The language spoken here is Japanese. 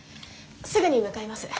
すぐに向かいます。